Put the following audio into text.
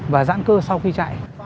và giãn cơ sau khi chạy